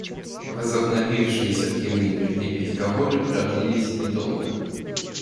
Возобновившиеся прямые мирные переговоры продлились недолго.